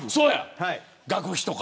学費とか。